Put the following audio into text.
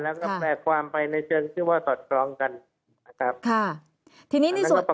แล้วก็แปลความไปในเชิงชื่อว่าตอดกรองกัน